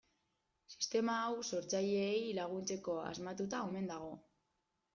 Sistema hau sortzaileei laguntzeko asmatuta omen dago.